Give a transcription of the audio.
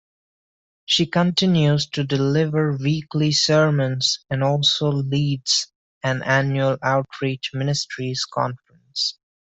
She continues to deliver weekly sermons and also leads an annual outreach ministries conference.